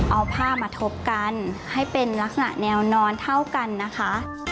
เอาผ้ามาทบกันให้เป็นลักษณะแนวนอนเท่ากันนะคะ